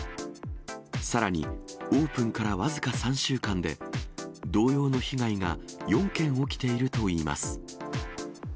さらにオープンから僅か３週間で、同様の被害が４件起きているといいます。